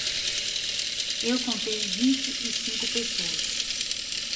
Eu contei vinte e cinco pessoas.